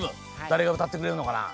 だれがうたってくれるのかな？